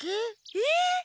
えっ！